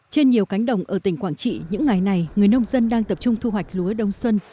trên nhiều cánh đồng ở tỉnh quảng trị những ngày này người nông dân đang tập trung thu hoạch lúa đông xuân